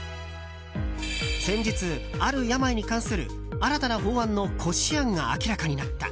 先日、ある病に関する新たな法案の骨子案が明らかになった。